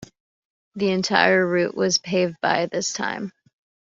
The entire route was paved by this time.